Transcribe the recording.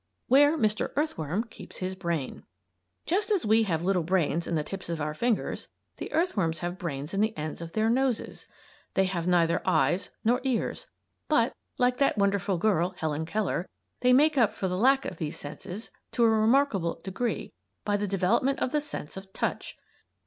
WHERE MR. EARTHWORM KEEPS HIS BRAIN Just as we have little brains in the tips of our fingers, the earthworms have brains in the ends of their "noses." They have neither eyes nor ears, but, like that wonderful girl, Helen Keller, they make up for the lack of these senses, to a remarkable degree, by the development of the sense of touch.